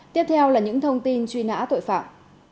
tiếp theo là những thông tin truy nã tội phạm